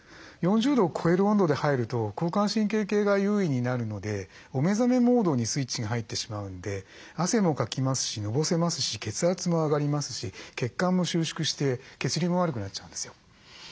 ４０度を超える温度で入ると交感神経系が優位になるのでお目覚めモードにスイッチが入ってしまうんで汗もかきますしのぼせますし血圧も上がりますし血管も収縮して血流も悪くなっちゃうんですよ。